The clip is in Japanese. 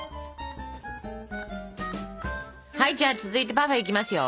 はいじゃあ続いてパフェいきますよ！